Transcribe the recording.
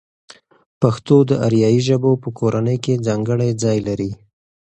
پښتو د آریایي ژبو په کورنۍ کې ځانګړی ځای لري.